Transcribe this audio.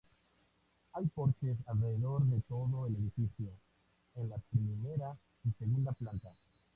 Hay porches alrededor de todo el edificio, en la primera y segunda planta.